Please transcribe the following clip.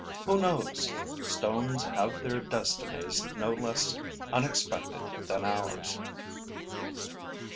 Who knows? Stones have their destinies no less unexpected than ours.